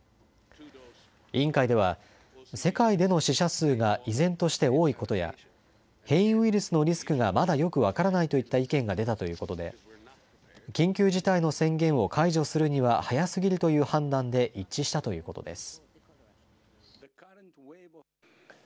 委員会では世界での死者数が依然として多いことや変異ウイルスのリスクがまだよく分からないといった意見が出たということで緊急事態の宣言を解除するには早すぎるという判断で一致したということです。